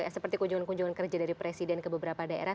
seperti kunjungan kunjungan kerja dari presiden ke beberapa daerah